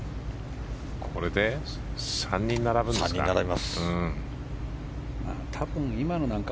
これで３人並ぶんですか。